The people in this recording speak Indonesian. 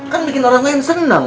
kan bikin orang lain senang